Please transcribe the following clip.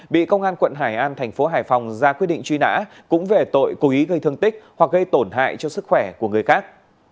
bị công an quận hải an thành phố hải phòng ra quyết định truy nã cũng về tội cố ý gây thương tích hoặc gây tổn hại cho sức khỏe của người khác